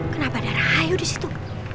kenapa ada rahayu di situ